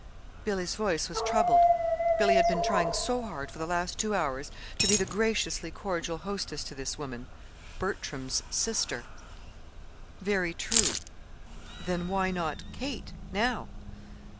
Billy's voice was troubled. Billy had been trying so hard for the last two hours to be the graciously cordial hostess to this woman Bertram's sister. "Very true. Then why not 'Kate' now?"